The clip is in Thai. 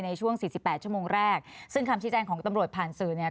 ในช่วงสี่สิบแปดชั่วโมงแรกซึ่งคำชี้แจงของตำรวจผ่านสื่อเนี่ย